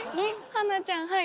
はなちゃんはい。